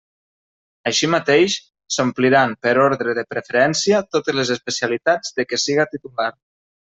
Així mateix, s'ompliran, per ordre de preferència, totes les especialitats de què siga titular.